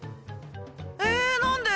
え何で！？